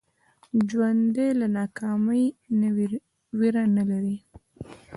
ژوندي له ناکامۍ نه ویره نه لري